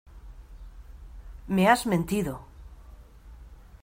¡ me has mentido!